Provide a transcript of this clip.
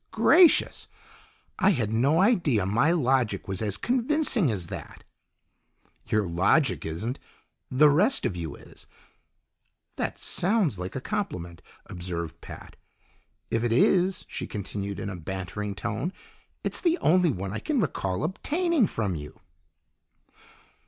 "Gracious! I had no idea my logic was as convincing as that." "Your logic isn't. The rest of you is." "That sounds like a compliment," observed Pat. "If it is," she continued in a bantering tone, "it's the only one I can recall obtaining from you."